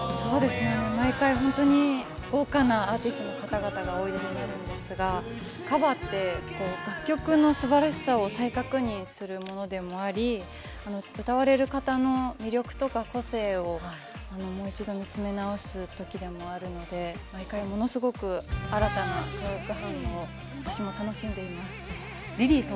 毎回、本当に豪華なアーティストの方々がおいでになるんですがカバーって楽曲のすばらしさを再確認するものでもあり歌われる方の魅力とか個性をもう一度見つめ直す時でもあるので毎回、ものすごく新たな化学反応私も楽しんでいます。